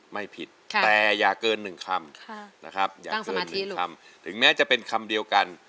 ไม่ผิดแต่อย่าเกิน๑คำถึงแม้จะเป็นคำเดียวกัน